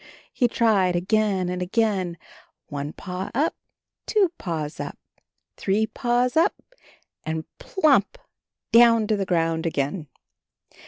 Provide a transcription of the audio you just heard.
He tried again and again, one paw up, two paws up, three paws up — and plump down to the ground again.